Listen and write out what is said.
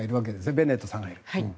ベネットさんがいる。